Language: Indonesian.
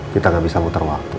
kita tidak bisa memutar waktu